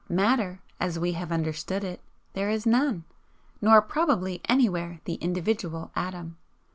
Matter, as we have understood it, there is none, nor probably anywhere the individual atom.